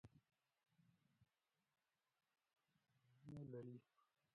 افغانستان د نورستان د ترویج لپاره پروګرامونه لري.